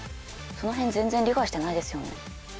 そのへん全然理解してないですよね？